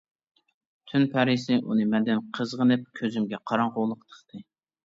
تۈن پەرىسى ئۇنى مەندىن قىزغىنىپ كۆزۈمگە قاراڭغۇلۇق تىقتى.